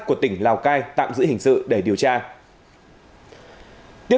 của tỉnh lào cai tạm giữ hình sự để điều tra